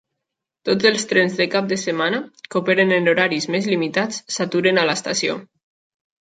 Tots els trens de cap de setmana, que operen en horaris més limitats, s'aturen a l'estació.